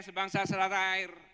sebangsa selatan air